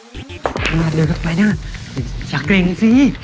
เดินขึ้นไปน่ะอย่าเกร็งสิ